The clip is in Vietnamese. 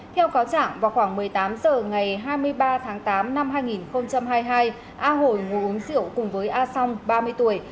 theo cáo trạng vào khoảng một mươi tám h ngày hai mươi ba tháng tám năm hai nghìn hai mươi hai a hồi ngồi uống rượu cùng với a song ba mươi tuổi